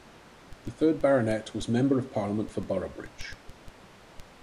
The third Baronet was Member of Parliament for Boroughbridge.